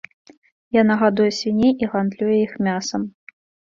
Яна гадуе свіней і гандлюе іх мясам.